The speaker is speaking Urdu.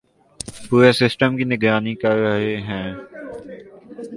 پورے سسٹم کی نگرانی کررہے ہیں